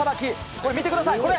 これ、見てください、これ。